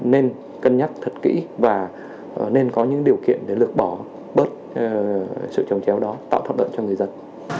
nên cân nhắc thật kỹ và nên có những điều kiện để lược bỏ bớt sự trồng chéo đó tạo thuận lợi cho người dân